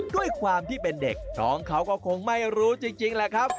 ด้วยความที่เป็นเด็กน้องเขาก็คงไม่รู้จริงแหละครับ